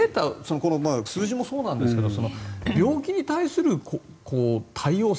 この数字もそうですが病気に対する対応策